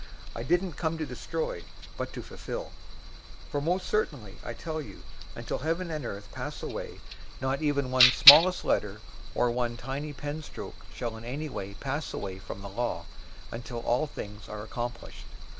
I didn't come to destroy, but to fulfill. 005:018 For most certainly, I tell you, until heaven and earth pass away, not even one smallest letter{literally, iota} or one tiny pen stroke{or, serif} shall in any way pass away from the law, until all things are accomplished.